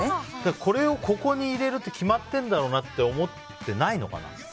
これを、ここに入れるって決まっているんだろうなって思ってないのかな。